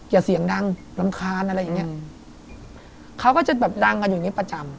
อย่าเสียงดังรำคาญอะไรอย่างนี้